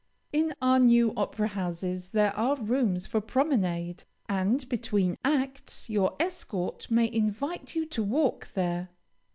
In our new opera houses there are rooms for promenade, and between the acts your escort may invite you to walk there.